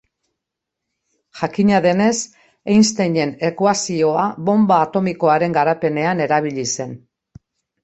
Jakina denez, Einsteinen ekuazioa bonba atomikoaren garapenean erabili zen.